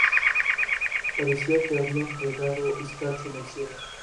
Parecía que habían regado escarcha en el cielo".